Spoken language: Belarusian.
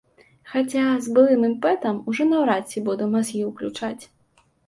Хаця, з былым імпэтам ужо наўрад ці, буду мазгі ўключаць.